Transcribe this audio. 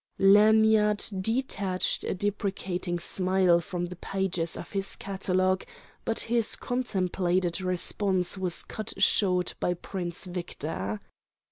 Lanyard detached a deprecating smile from the pages of his catalogue, but his contemplated response was cut short by Prince Victor.